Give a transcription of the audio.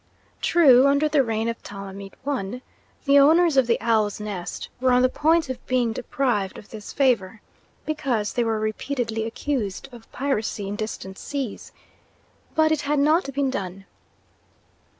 True, under the reign of Ptolemy I, the owners of the Owl's Nest were on the point of being deprived of this favour, because they were repeatedly accused of piracy in distant seas; but it had not been done.